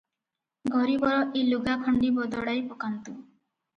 ଗରିବର ଏ ଲୁଗାଖଣ୍ଡି ବଦଳାଇ ପକାନ୍ତୁ ।"